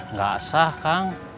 nggak sah kang